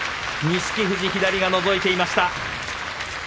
錦富士、左がのぞいていました。